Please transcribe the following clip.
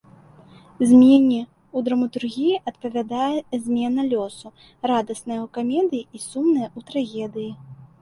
Змене ў драматургіі адпавядае змена лёсу, радасная ў камедыі і сумная ў трагедыі.